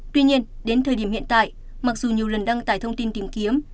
tuy nhiên đến thời điểm hiện tại mặc dù nhiều lần đăng tải thông tin tìm kiếm